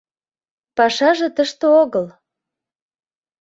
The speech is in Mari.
Пашаже тыште огыл...